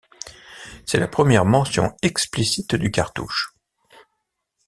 C'est la première mention explicite du cartouche.